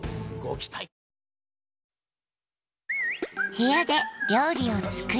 部屋で料理を作り。